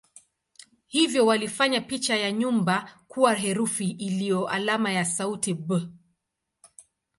Hivyo walifanya picha ya nyumba kuwa herufi iliyo alama ya sauti "b".